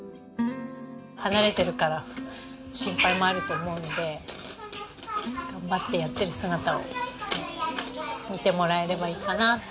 離れてるから心配もあると思うので頑張ってやってる姿を見てもらえればいいかなって。